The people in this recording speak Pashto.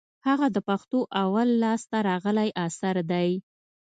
هغه د پښتو اول لاس ته راغلى اثر دئ.